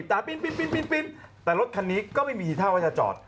จ้ามาช่างไปแต่รถนี้ก็ไม่มีที่เท่าจะจอด